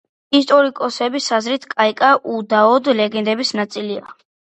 ისტორიკოსების აზრით კაიკა უდაოდ ლეგენდის ნაწილია.